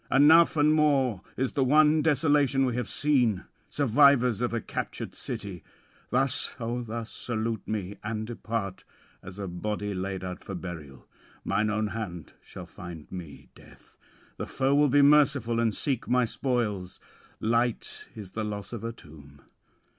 Enough and more is the one desolation we have seen, survivors of a captured city. Thus, oh thus salute me and depart, as a body laid out for burial. Mine own hand shall find me death: the foe will be merciful and seek my spoils: light is the loss of a tomb.